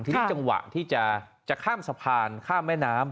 ทีนี้จังหวะที่จะข้ามสะพานข้ามแม่น้ำ